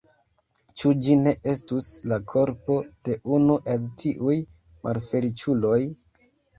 Ĉu ĝi ne estus la korpo de unu el tiuj malfeliĉuloj?